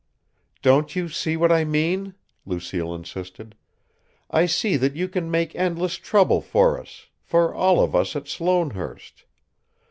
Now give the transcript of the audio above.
"Don't you see what I mean?" Lucille insisted. "I see that you can make endless trouble for us for all of us at Sloanehurst.